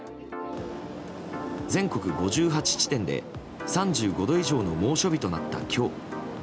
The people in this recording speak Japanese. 全国５８地点で、３５度以上の猛暑日となった今日。